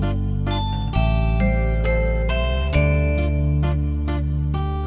และวงศาล